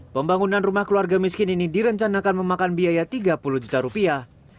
pembangunan rumah keluarga miskin ini direncanakan memakan biaya tiga puluh juta rupiah